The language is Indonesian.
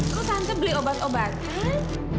kok tante beli obat obatan